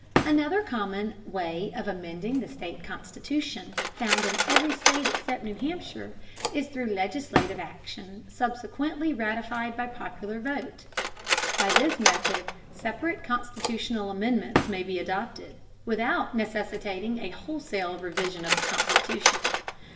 Another common way of amending the state constitution, found in every state except New Hampshire, is through legislative action subsequently ratified by popular vote. By this method separate constitutional amendments may be adopted, without necessitating a wholesale revision of the constitution.